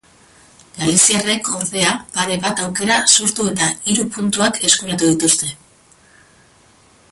Galiziarrek, ordea, pare bat aukera sortu eta hiru puntuak eskuratu dituzte.